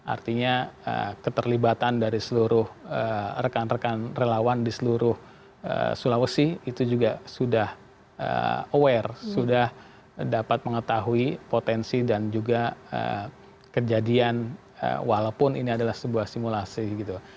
artinya keterlibatan dari seluruh rekan rekan relawan di seluruh sulawesi itu juga sudah aware sudah dapat mengetahui potensi dan juga kejadian walaupun ini adalah sebuah simulasi gitu